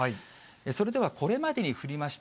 それではこれまでに降りました